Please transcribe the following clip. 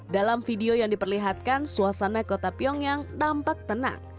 dalam video yang diperlihatkan suasana kota pyongyang nampak tenang